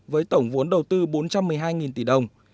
với tổng vốn đầu tư bốn trăm một mươi hai tỷ đồng